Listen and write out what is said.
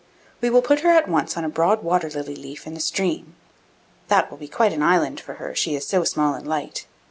We will put her at once on a broad water lily leaf in the stream. That will be quite an island for her; she is so small and light.